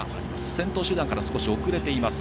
先頭集団から少し遅れています。